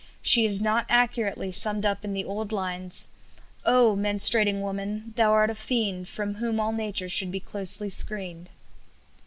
She is not accurately summed up in the old lines: "Oh! menstruating woman, thou'rt a fiend From whom all nature should be closely screened."